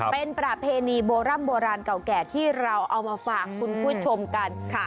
เป็นประเพณีโบร่ำโบราณเก่าแก่ที่เราเอามาฝากคุณผู้ชมกัน